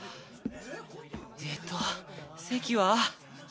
えーっと席は？